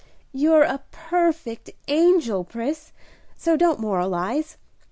"You're a perfect angel, Pris; so don't moralize.